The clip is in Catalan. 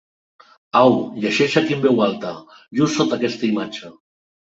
Au, llegeix aquí en veu alta, just sota aquesta imatge.